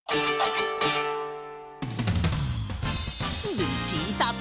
ルチータと。